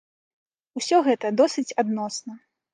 Усё гэта досыць адносна.